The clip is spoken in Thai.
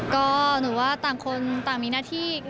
ก็หนูว่าต่างคนต่างมีหน้าที่